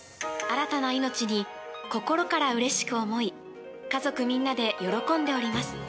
新たな命に、心からうれしく思い、家族みんなで喜んでおります。